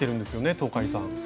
東海さん。